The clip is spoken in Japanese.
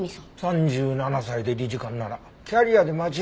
３７歳で理事官ならキャリアで間違いないね。